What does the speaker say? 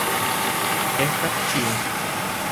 Estas ĉio.